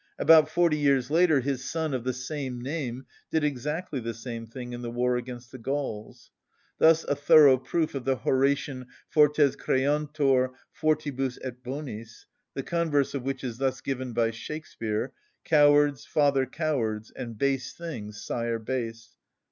About forty years later his son, of the same name, did exactly the same thing in the war against the Gauls (Liv. viii. 6; x. 28). Thus a thorough proof of the Horatian fortes creantur fortibus et bonis: the converse of which is thus given by Shakspeare— "Cowards father cowards, and base things sire base."